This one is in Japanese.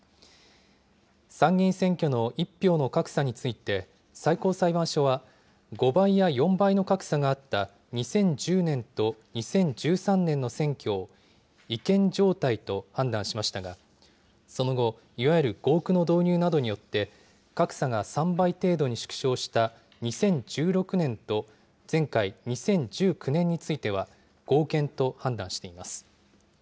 参議院選挙の１票の格差について、最高裁判所は、５倍や４倍の格差があった２０１０年と２０１３年の選挙を違憲状態と判断しましたが、その後、いわゆる合区の導入などによって、格差が３倍程度に縮小した２０１６年と前回・２０１９年については、合憲と判断しています。